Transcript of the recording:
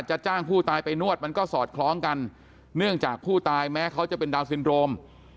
จ้างผู้ตายไปนวดมันก็สอดคล้องกันเนื่องจากผู้ตายแม้เขาจะเป็นดาวนซินโรม